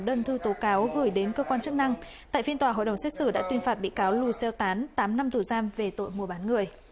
sau đó nạn nhân thư tố cáo gửi đến cơ quan chức năng tại phiên tòa hội đồng xét xử đã tuyên phạt bị cáo lù xeo tán tám năm tù giam về tội mùa bán người